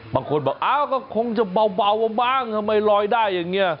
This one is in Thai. บางคนบอกอ้าวก็คงจะเบาบ้างทำไมลอยได้อย่างนี้